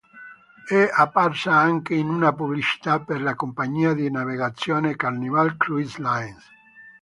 È apparsa anche in una pubblicità per la compagnia di navigazione "Carnival Cruise Lines".